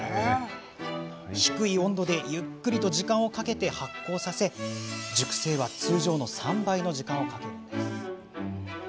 低い温度でゆっくりと時間をかけて発酵させ熟成は通常の３倍の時間をかけます。